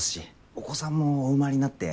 お子さんもお生まれになって